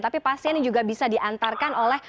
tapi pasien yang juga bisa diantarkan oleh